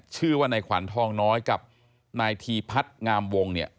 ชื่อว่านายขวัญทองน้อยกับนายธีพัฒน์งามวงเนี่ย